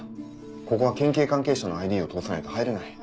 ここは県警関係者のＩＤを通さないと入れない。